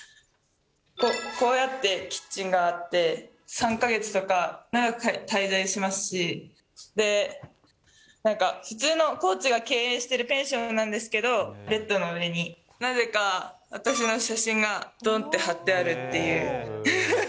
こうやってキッチンがあって、３か月とか、長く滞在しますし、で、なんか、普通の、コーチが経営してるペンションなんですけど、ベッドの上になぜか私の写真がどんって貼ってあるっていう。